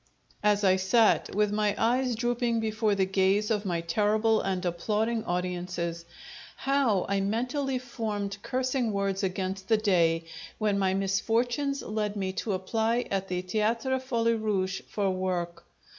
As I sat with my eyes drooping before the gaze of my terrible and applauding audiences, how I mentally formed cursing words against the day when my misfortunes led me to apply at the Theatre Folie Rouge for work!